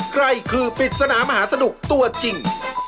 ใครคือปริศนามหาสนุกตัวจริง